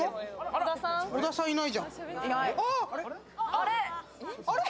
あれ？